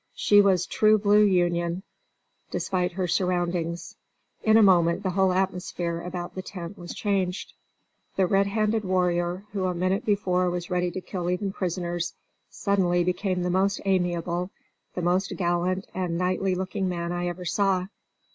She was "true blue Union," despite her surroundings. In a moment the whole atmosphere about the tent was changed. The red handed warrior, who a moment before was ready to kill even prisoners, suddenly became the most amiable, the most gallant and knightly looking man I ever saw.